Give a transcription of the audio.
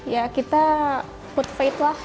ya kita food faith lah